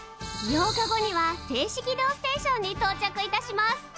８日後には静止軌道ステーションにとうちゃくいたします！